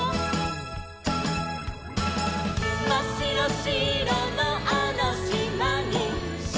「まっしろしろのあのしまに」